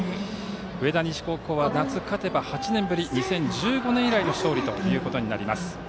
上田西高校は夏勝てば８年ぶり２０１５年以来の勝利ということになります。